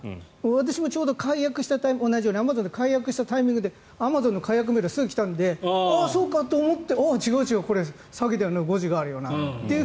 私もちょうど、同じように解約したタイミングでアマゾンの解約メールがすぐに来たのでああ、そうかと思ったらああ、違う違うこれは詐欺だよな誤字があると。